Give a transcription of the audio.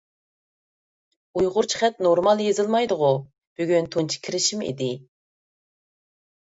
ئۇيغۇرچە خەت نورمال يېزىلمايدىغۇ؟ بۈگۈن تۇنجى كىرىشىم ئىدى.